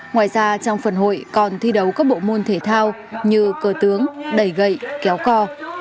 ngoài ra trong phần hội còn thi đấu các bộ môn thể thao như cờ tướng đẩy gậy kéo co